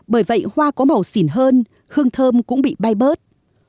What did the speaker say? bởi vậy hoa có màu xỉn hơn hương thơm cũng bị bay bớt